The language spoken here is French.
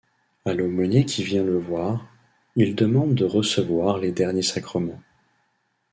A l’aumônier qui vient le voir, il demande de recevoir les derniers sacrements.